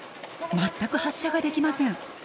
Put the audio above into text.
全く発射ができません。